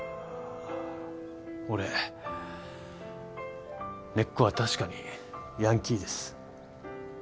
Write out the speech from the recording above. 俺根っこは確かにヤンキーです。